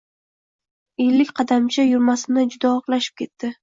Ellik qadamcha yurmasimdan juda og‘irlashib ketdi.